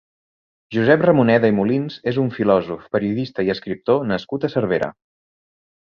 Josep Ramoneda i Molins és un filòsof, periodista i escriptor nascut a Cervera.